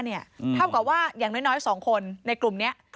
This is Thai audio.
เท่ากับว่าอย่างน้อย๒คนในกลุ่มนี้